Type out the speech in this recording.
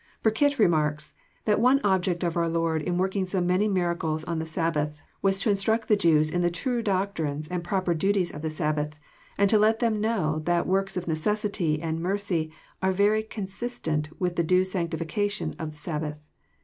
Burkitt remarks, that one object of our Lord in working so many miracles on the Sabbath, was '* to instruct the Jews in the true doctrines and proper duties of the Sabbath, and to let them know that works of necessity and mercy are very consis tent with the due sanctiflcation of the Sabbath.